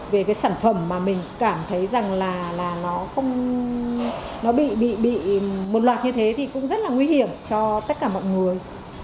về cái sản phẩm mà mình cảm thấy rằng là nó bị một loạt như thế thì cũng rất là nguy hiểm cho tất cả mọi người